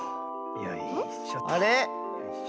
よいしょ。